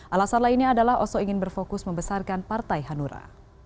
alasan lainnya adalah oso ingin berfokus membesarkan partai hanura